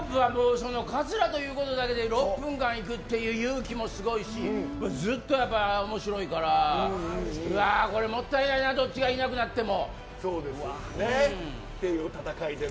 カツラということだけで６分間いく勇気もすごいしずっと面白いからこれもったいないなどっちがいなくなっても。